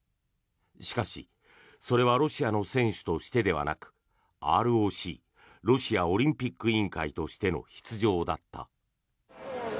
しかし、それはロシアの選手としてではなくＲＯＣ・ロシアオリンピック委員会としての出場だった。